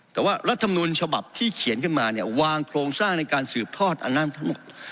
แต่ว่ารัฐมนุนฉบับที่เขียนขึ้นมาเนี่ยวางโครงสร้างในการสืบทอดอำนาจ